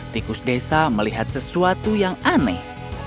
tikus desa melihat sesuatu yang aneh